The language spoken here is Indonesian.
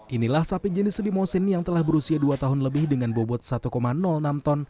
inilah sapi jenis limosin yang telah berusia dua tahun lebih dengan bobot satu enam ton